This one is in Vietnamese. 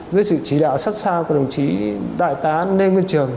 dưới sự chỉ đạo sát sao của đồng chí đại tá lê nguyên trường